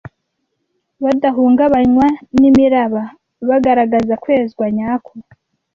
badahungabanywa n’imiraba bagaragaza kwezwa nyako